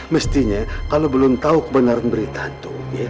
mestinya kalo belum tau kebenaran berita tuh